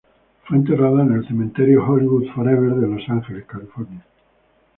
Fue enterrada en el Cementerio Hollywood Forever de Los Ángeles, California.